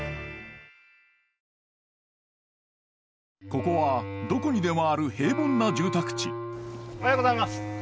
ここはどこにでもある平凡な住宅地おはようございます。